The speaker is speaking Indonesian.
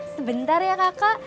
sebentar ya kakak